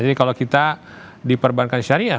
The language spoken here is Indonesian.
jadi kalau kita di perbankan syariah